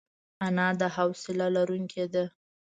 انا د حوصله لرونکې ده